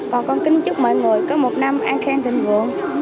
con kính chúc mọi người có một năm an khen tình vượng